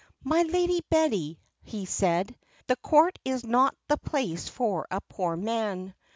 "'My Lady Betty,' he said, 'the Court is not the place for a poor man.